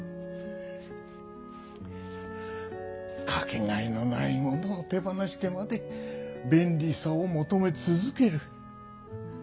かけがえのないものを手放してまで便利さをもとめつづける。